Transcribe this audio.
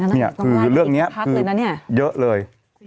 นี่คือเรื่องนี้เยอะเลย